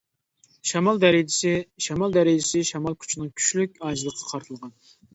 شامال دەرىجىسى شامال دەرىجىسى شامال كۈچىنىڭ كۈچلۈك-ئاجىزلىقىغا قارىتىلغان.